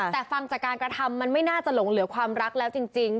แต่ฟังจากการกระทำมันไม่น่าจะหลงเหลือความรักแล้วจริง